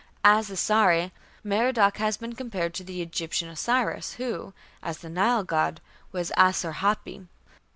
" As Asari, Merodach has been compared to the Egyptian Osiris, who, as the Nile god, was Asar Hapi.